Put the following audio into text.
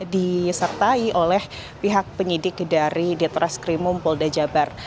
disertai oleh pihak penyidik dari dtrs krimum pol dajabar